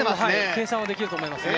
計算はできると思いますね